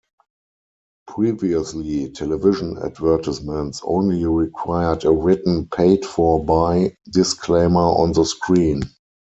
Previously, television advertisements only required a written "paid for by" disclaimer on the screen.